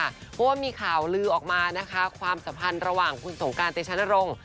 เพราะว่ามีข่าวลือออกมานะคะความสัมพันธ์ระหว่างคุณสงการเตชนรงค์